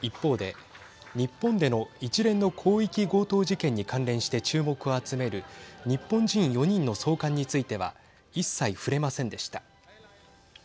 一方で日本での一連の広域強盗事件に関連して注目を集める日本人４人の送還については一切触れませんでした。